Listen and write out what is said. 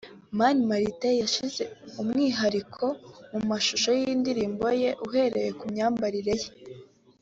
Mani Martin yashyize umwihariko mu mashusho y’indirimbo ye uhereye ku myambarire ye